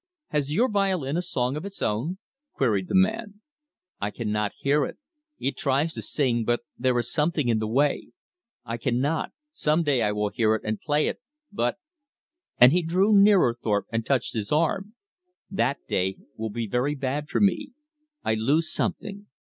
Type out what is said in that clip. "Has your violin a song of its own?" queried the man. "I cannot hear it. It tries to sing, but there is something in the way. I cannot. Some day I will hear it and play it, but " and he drew nearer Thorpe and touched his arm "that day will be very bad for me. I lose something."